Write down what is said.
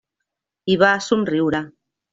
I va somriure.